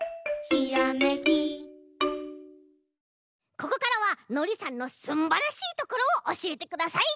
ここからはのりさんのすんばらしいところをおしえてください。